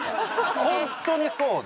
ホントにそうで。